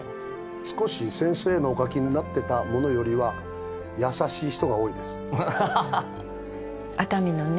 少し先生のお書きになってたものよりは優しい人が多いです熱海のね